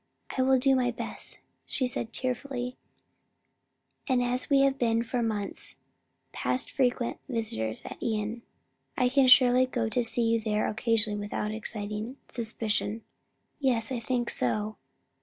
"I will do my best," she said tearfully, "and as we have been for months past frequent visitors at Ion, I can surely go to see you there occasionally without exciting suspicion." "Yes, I think so."